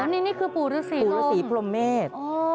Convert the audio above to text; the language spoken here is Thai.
อันนี้นี่คือปู่ระศรีรงค์ปู่ระศรีพรหมเมธ